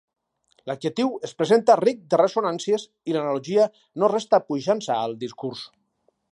L'adjectiu es presenta ric de ressonàncies i l'analogia no resta puixança al discurs.